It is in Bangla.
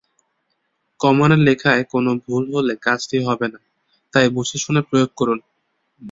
কমান্ড লেখায় কোনো ভুল হলে কাজটি হবে না, তাই বুঝেশুনে প্রয়োগ করুন।